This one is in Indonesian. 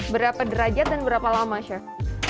berapa derajat dan berapa lama chef